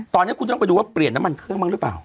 ตอนนี้คุณต้องไปดูว่าเปลี่ยนน้ำมันเครื่องบ้างหรือเปล่า